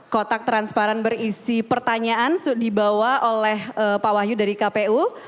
kotak transparan berisi pertanyaan dibawa oleh pak wahyu dari kpu